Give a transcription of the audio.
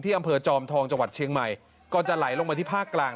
อำเภอจอมทองจังหวัดเชียงใหม่ก่อนจะไหลลงมาที่ภาคกลาง